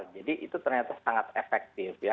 itu ternyata sangat efektif ya